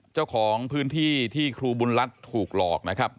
เจ้าของพื้นที่ที่ครูบุญรัฐถูกหลอกนะครับ